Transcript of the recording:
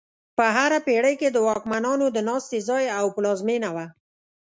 په هره پېړۍ کې د واکمنانو د ناستې ځای او پلازمینه وه.